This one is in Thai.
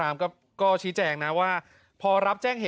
ตามปกติเลยไม่ได้มีเจตนาลวนลามหรือว่าจะล่วงละเมิดทางเพศ